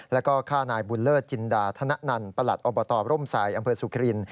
แล้วก็ฆ่านายบุญเลิศจินดาธนนันประหลัดอบตร่มทรายอำเภอสุคริน